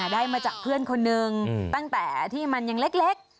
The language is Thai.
ได้มาจากเพื่อนคนนึงตั้งแต่ที่มันยังเล็ก